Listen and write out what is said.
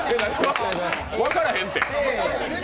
分からへんて。